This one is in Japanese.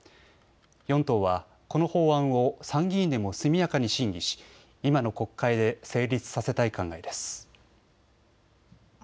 ４党はこの法案を参議院でも速やかに審議し、今の国会で成立させたい考えです。